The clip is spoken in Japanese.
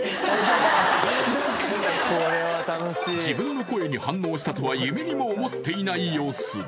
自分の声に反応したとは夢にも思っていない様子